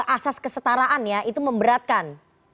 asas kesetaraan ya itu memberatkan